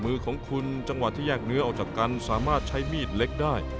มือของคุณจังหวะที่แยกเนื้อออกจากกันสามารถใช้มีดเล็กได้